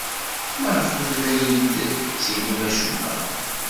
Maɣef ur la iyi-d-ttinin acemma?